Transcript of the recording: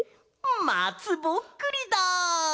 まつぼっくりだ！